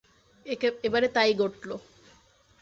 এবারে তাই ঘটল।